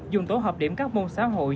dùng tổ hợp điểm các môn xã hội